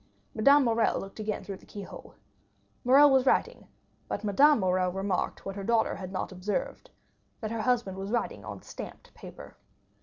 Madame Morrel looked again through the keyhole, Morrel was writing; but Madame Morrel remarked, what her daughter had not observed, that her husband was writing on stamped paper.